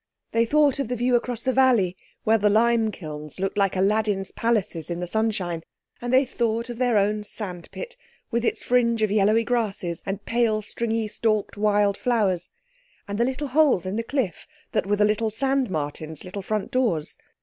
They thought of the view across the valley, where the lime kilns looked like Aladdin's palaces in the sunshine, and they thought of their own sandpit, with its fringe of yellowy grasses and pale stringy stalked wild flowers, and the little holes in the cliff that were the little sand martins' little front doors.